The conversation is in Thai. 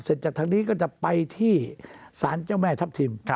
จากทางนี้ก็จะไปที่สารเจ้าแม่ทัพทิม